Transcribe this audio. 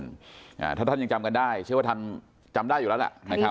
ถ้าท่านยังจำกันได้เชื่อว่าทำจำได้อยู่แล้วล่ะนะครับ